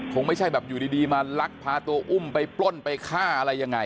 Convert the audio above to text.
คงไม่ใช่แบบอยู่ดีมาลักพาตัวอุ้มไปปล้นไปฆ่าอะไรยังไง